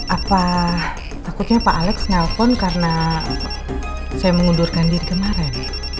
apa takutnya pak alex nelpon karena saya mengundurkan diri kemarin